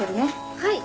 はい。